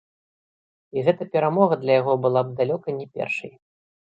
І гэта перамога для яго была б далёка не першай.